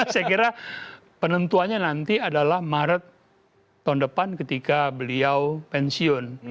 saya kira penentuannya nanti adalah maret tahun depan ketika beliau pensiun